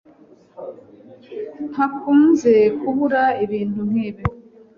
Ntakunze kubura ibintu nkibi